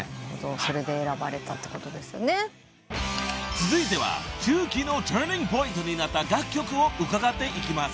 ［続いては中期のターニングポイントになった楽曲を伺っていきます］